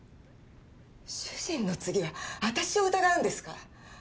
主人の次は私を疑うんですか？